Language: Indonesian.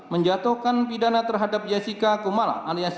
menjatuhkan pidana terhadap jessica kumala alias